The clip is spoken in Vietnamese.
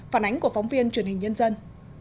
phản ánh của phóng viên truyền hình nhân dân